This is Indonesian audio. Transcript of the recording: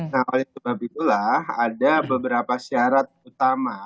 nah oleh sebab itulah ada beberapa syarat utama